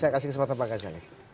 saya kasih kesempatan pak kazali